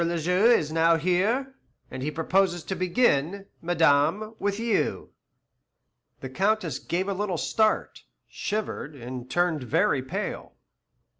le Juge is now here, and he proposes to begin, madame, with you." The Countess gave a little start, shivered, and turned very pale.